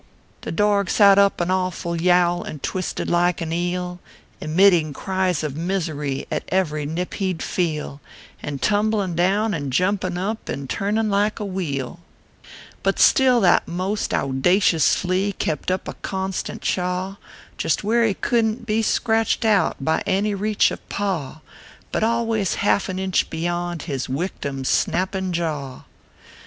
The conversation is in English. The dorg sat up an awful yowl And twisted like an eel, Emitting cries of misery At ev ry nip he d feel, And tumblin down and jumpin up, And turnin like a wheel. 296 ORPHEUS C. KERB PAPERS. But still that most owdacious flea Kept up a constant chaw Just where he couldn t be scratched out By any reach of paw. But always half an inch beyond His wictim s snappin jaw.